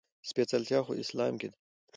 سپېڅلتيا خو اسلام کې ده.